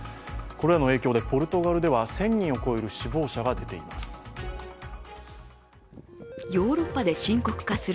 これらの影響でポルトガルでは１０００人を超える死亡者が出ています。